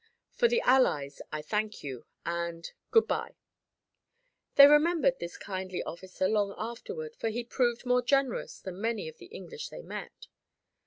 For the Allies I thank you, and good bye!" They remembered this kindly officer long afterward, for he proved more generous than many of the English they met.